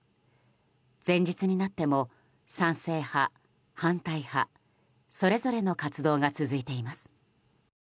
前日になっても賛成派、反対派それぞれの活動が続いています。